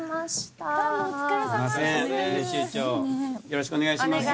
よろしくお願いします。